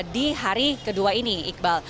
di hari kedua ini iqbal